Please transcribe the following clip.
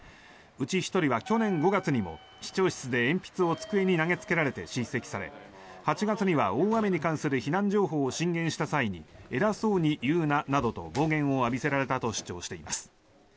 うち１人は去年５月にも市長室で鉛筆を机に投げつけられて叱責され８月には大雨に関する避難情報を進言した際に偉そうに言うななどと暴言を浴びせられたと主張しています。